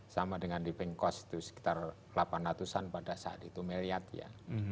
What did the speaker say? sama dengan di bank cost itu sekitar delapan ratus an pada saat itu miliar ya